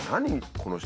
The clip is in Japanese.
この人。